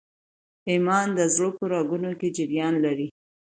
ایمان د زړه په رګونو کي جریان لري.